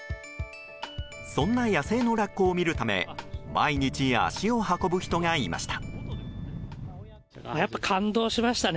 そんな野生のラッコを見るため毎日、足を運ぶ人がいました。